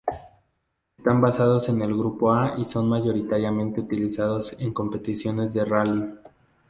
Están basados en el Grupo A y son mayoritariamente utilizados en competiciones de rally.